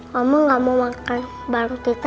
mama gak mau makan bareng kita ya